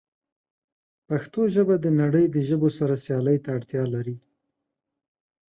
پښتو ژبه د نړۍ د ژبو سره سیالۍ ته اړتیا لري.